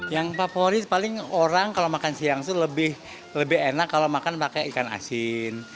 yang favorit paling orang kalau makan siang itu lebih enak kalau makan pakai ikan asin